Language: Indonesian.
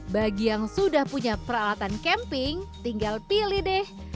bagi yang sudah punya peralatan camping tinggal pilih deh